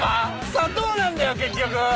砂糖なんだよ結局。